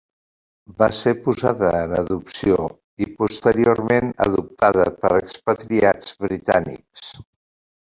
Va ser posada en adopció i posteriorment adoptada per expatriats britànics.